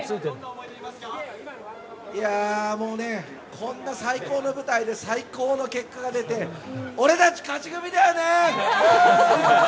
こんな最高な舞台で最高な結果が出て俺たち、勝ち組だよね！